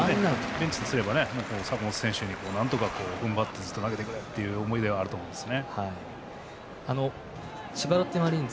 ファンとしても坂本選手になんとかずっと投げてくれという思いではあると思います。